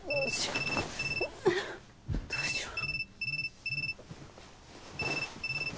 ううどうしよう。